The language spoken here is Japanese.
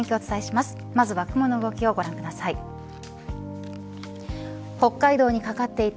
まずは雲の動きをご覧ください。